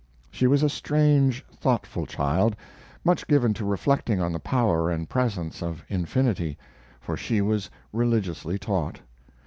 She was a strange, thoughtful child, much given to reflecting on the power and presence of infinity, for she was religiously taught.